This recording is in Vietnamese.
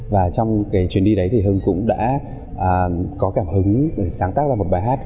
và trong cái chuyến đi đấy thì hưng cũng đã có cảm hứng sáng tác ra một bài hát